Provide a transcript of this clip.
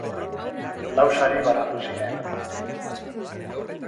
Lau sari banatu ziren.